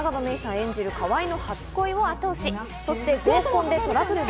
演じる川合の初恋を後押し、そして合コンでトラブルが？